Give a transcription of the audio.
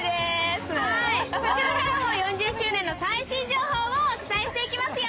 こちらからも４０周年の最新情報をお届けしていきます。